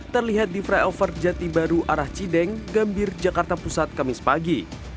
terlihat di flyover jati baru arah cideng gambir jakarta pusat kamis pagi